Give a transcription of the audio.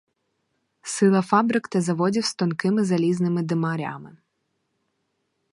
Сила фабрик та заводів з тонкими залізними димарями.